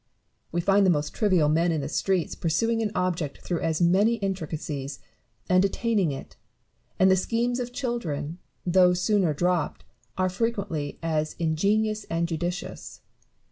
We find the most trivial men in the streets pursuing an object through as many intricacies, and attaining it; and the schemes of children, though sooner dropped, are frequently as ingenious and judicious.